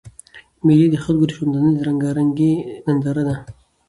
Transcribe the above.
مېلې د خلکو د ژوندانه د رنګارنګۍ ننداره ده.